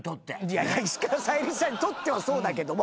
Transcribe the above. いや石川さゆりさんにとってはそうだけども。